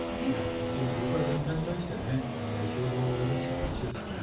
本当に業界全体に対して影響を及ぼす話ですよね。